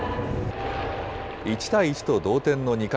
１対１と同点の２回。